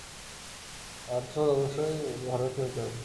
আর চোর অবশ্যই ভারতীয় হতে হবে।